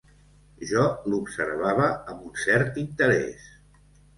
Jo l'observava amb un cert interès